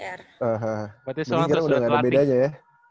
berarti sekarang udah gak ada bedanya ya